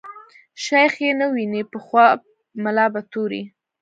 شيخ ئې نه ويني په خواب ملا په توري